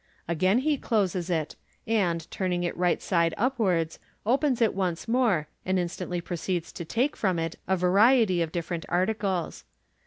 Again he closes it, and, turning it right side upwards, opens it once more, and instantly proceeds to take from it a variety of different articles.